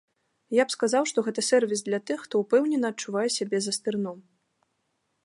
Я б сказаў, што гэта сэрвіс для тых, хто ўпэўнена адчувае сябе за стырном.